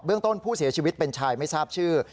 ต้นผู้เสียชีวิตเป็นชายไม่ทราบชื่อ